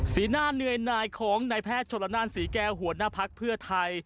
หน้าเหนื่อยหน่ายของนายของนายแพทย์ชนละนานศรีแก้วหัวหน้าภักดิ์เพื่อไทย